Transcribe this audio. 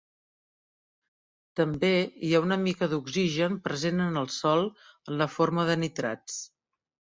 També hi ha una mica d'oxigen present en el sòl en la forma de nitrats.